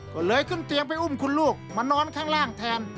ก็เลยขึ้นเตียงไปอุ้มคุณลูกมานอนข้างล่างแทน